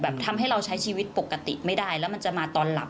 ทำให้เราใช้ชีวิตปกติไม่ได้แล้วมันจะมาตอนหลับ